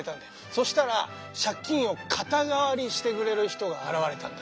そしたら借金を肩代わりしてくれる人が現れたんだ。